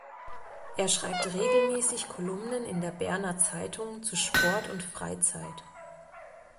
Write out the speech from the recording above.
Er schreibt regelmässig Kolumnen in der Berner Zeitung zu Sport und Freizeit.